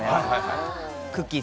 くっきー！